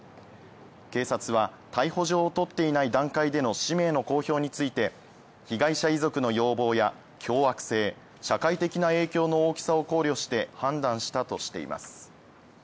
警察は逮捕状を取っていない段階での氏名の公表について、被害者遺族の要望や凶悪性社会的な影響の大きさを考慮して判断したとしています。